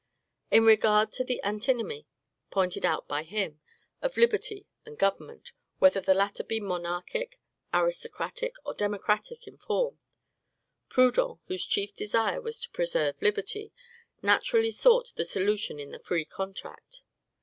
In regard to the antinomy, pointed out by him, of liberty and government, whether the latter be monarchic, aristocratic, or democratic in form, Proudhon, whose chief desire was to preserve liberty, naturally sought the solution in the free contract.